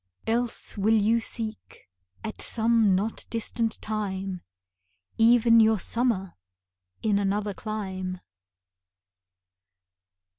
Else will you seek, at some not distant time, Even your summer in another clime.